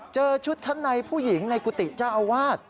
ชุดชั้นในผู้หญิงในกุฏิเจ้าอาวาส